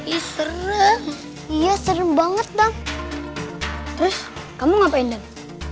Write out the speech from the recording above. iseng iya serem banget dan terus kamu ngapain dan